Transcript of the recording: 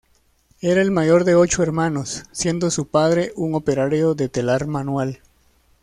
Era el mayor de ocho hermanos, siendo su padre un operario de telar manual.